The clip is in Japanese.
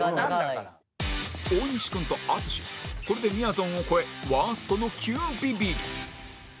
大西君と淳これでみやぞんを超えワーストの９ビビリ